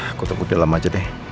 aku takut di dalam aja deh